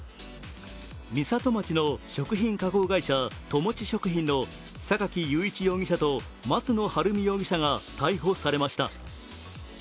美里町の食品加工会社砥用食品の榊原翼容疑者と松野治美容疑者が逮捕されました。